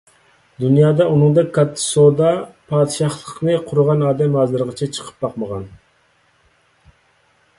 دۇنيادا ئۇنىڭدەك كاتتا سودا پادىشاھلىقىنى قۇرغان ئادەم ھازىرغىچە چىقىپ باقمىغان.